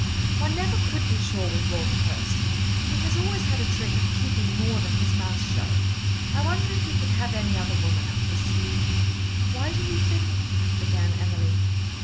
One never could be sure with Walderhurst. He has always had a trick of keeping more than his mouth shut. I wonder if he could have any other woman up his sleeve?" "Why do you think " began Emily.